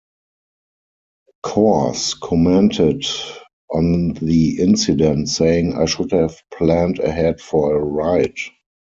Coors commented on the incident, saying, I should have planned ahead for a ride.